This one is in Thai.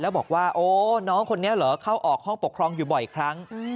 แล้วบอกว่าโอ้น้องคนนี้เหรอเข้าออกห้องปกครองอยู่บ่อยครั้ง